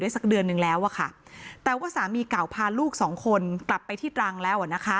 สักเดือนนึงแล้วอะค่ะแต่ว่าสามีเก่าพาลูกสองคนกลับไปที่ตรังแล้วนะคะ